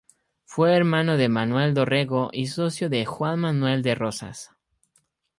Fue hermano de Manuel Dorrego y socio de Juan Manuel de Rosas.